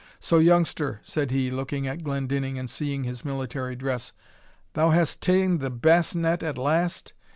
So, youngster," said he, looking at Glendinning, and seeing his military dress, "thou hast ta'en the basnet at last?